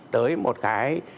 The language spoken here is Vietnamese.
tới một cái